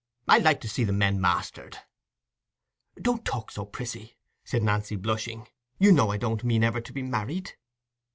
I like to see the men mastered!" "Don't talk so, Priscy," said Nancy, blushing. "You know I don't mean ever to be married."